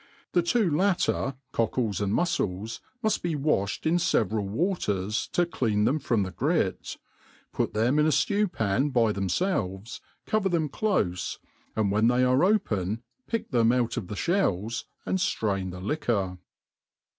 The two latter, cockles and mufcles, muft be waih* ed in feveral waters, to clean them from the grit; put them in a ftew»pan by themfelves, cover them clofe, and when they are open, pick them out of the (hells, and ftrain the liquor.